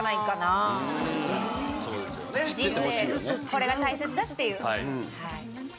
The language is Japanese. これが大切だっていう。